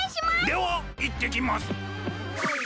ではいってきます！